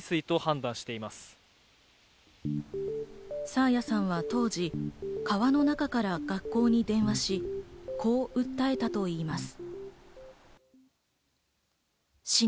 爽彩さんは当時、川の中から学校に電話し、こう訴えたといいます。